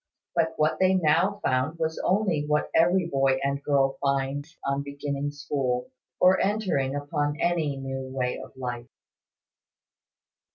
But what they now found was only what every boy and girl finds, on beginning school, or entering upon any new way of life.